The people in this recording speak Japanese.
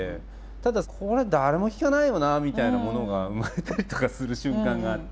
ただこれ誰も聴かないよなみたいなものが生まれたりとかする瞬間があって。